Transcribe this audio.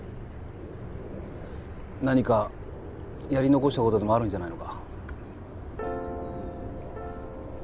何かやり残したことでもあるんじゃないのか？